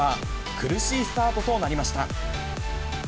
苦しいスタートとなりました。